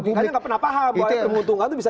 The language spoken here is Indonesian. karena tidak pernah paham bahwa keuntungan itu bisa